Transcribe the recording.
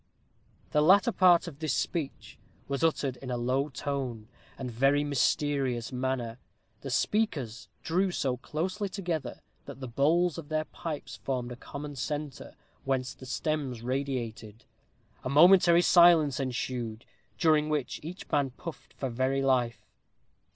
The latter part of this speech was uttered in a low tone, and very mysterious manner. The speakers drew so closely together, that the bowls of their pipes formed a common centre, whence the stems radiated. A momentary silence ensued, during which each man puffed for very life.